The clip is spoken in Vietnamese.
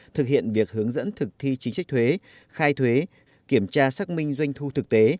thực hiện việc hướng dẫn thực thi chính sách thuế khai thuế kiểm tra xác minh doanh thu thực tế